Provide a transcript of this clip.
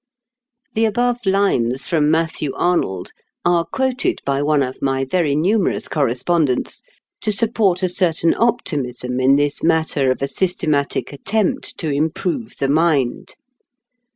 The above lines from Matthew Arnold are quoted by one of my very numerous correspondents to support a certain optimism in this matter of a systematic attempt to improve the mind.